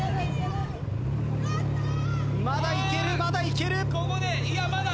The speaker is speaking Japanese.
まだいけるまだいける。